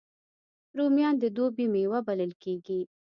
رومیان د دوبي میوه بلل کېږي